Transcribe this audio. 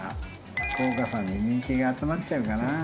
福岡さんに人気が集まっちゃうかな？